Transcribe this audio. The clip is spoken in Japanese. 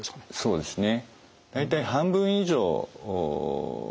そうですね。